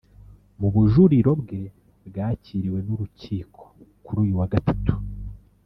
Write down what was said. Mu bujuriro bwe bwakiriwe n’urukiko kuri uyu wa gatatu